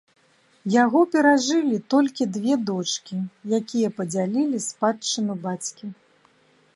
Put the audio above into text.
Яго перажылі толькі дзве дочкі, якія падзялілі спадчыну бацькі.